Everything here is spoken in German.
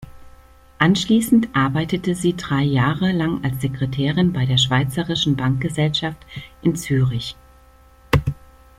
Anschliessend arbeitete sie drei Jahre lang als Sekretärin bei der Schweizerischen Bankgesellschaft in Zürich.